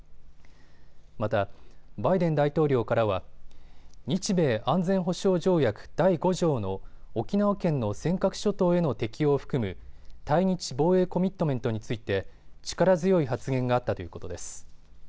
またバイデン大統領からは日米安全保障条約第５条の沖縄県の尖閣諸島への適用を含む対日防衛コミットメントについて力強い発言があったということです。